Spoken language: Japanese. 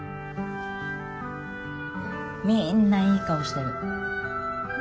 みんないい顔してる。